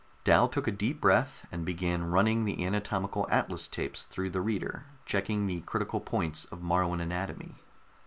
Dal took a deep breath and began running the anatomical atlas tapes through the reader, checking the critical points of Moruan anatomy.